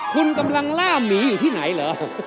คุณกำลังล่าหมีอยู่ที่ไหนเหรอ